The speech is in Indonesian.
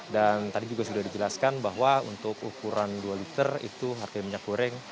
dan tadi juga sudah dijelaskan bahwa untuk ukuran dua liter itu harga minyak goreng